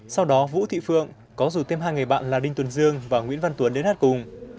sau đó vũ thị phượng có rủ thêm hai người bạn là đinh tuấn dương và nguyễn văn tuấn đến hát cùng